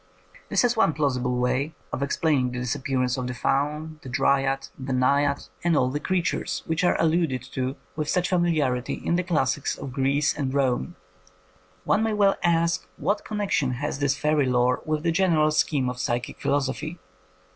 '' This is one plausi ble way of explaining the disappearance of the faun, the dryad, the naiad, and all the 149 THE COMING OF THE FAIRIES creatures which are alluded to with such familiarity in the classics of Greece and Rome. One may well ask what connection has this fairy lore with the general scheme of psychic philosophy